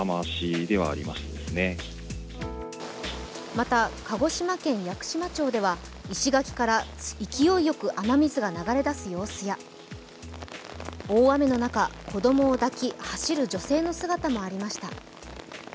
また鹿児島県屋久島町では石垣から勢いよく雨水が流れ出す様子や大雨の中、子供を抱き、走る女性の姿もありました。